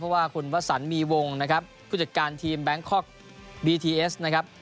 เพราะว่าคุณวสันมีวงนะครับผู้จัดการทีมแบงคอกบีทีเอสนะครับ